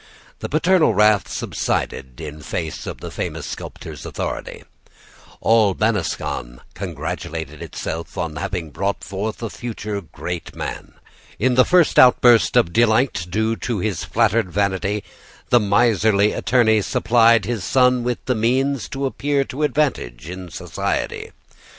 The paternal wrath subsided in face of the famous sculptor's authority. All Besancon congratulated itself on having brought forth a future great man. In the first outburst of delight due to his flattered vanity, the miserly attorney supplied his son with the means to appear to advantage in society.